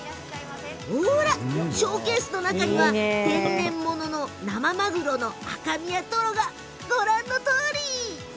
ショーケースの中には天然物の生マグロの赤身やトロがご覧のとおり。